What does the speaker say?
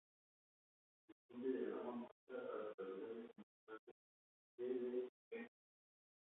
El siguiente diagrama muestra a las localidades en un radio de de Hertford.